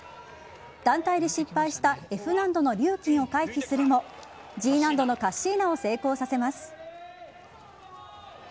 団体で失敗したＦ難度のリューキンを回避するもＧ難度のカッシーナを成功させます。